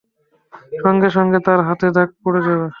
সঙ্গে-সঙ্গে তার হাতে দাগ পড়ে যাবে।